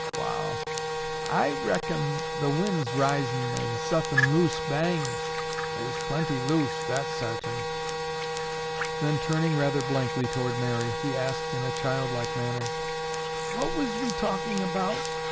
"Wall, I reckon the wind's risin' an' suthin' loose banged. Thar's plenty loose, that's sartin." Then, turning rather blankly toward Mary, he asked in a child like manner, "What was we talkin' about?"